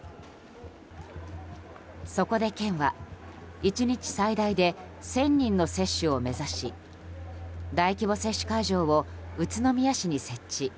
そこで県は、１日最大で１０００人の接種を目指し大規模接種会場を宇都宮市に設置。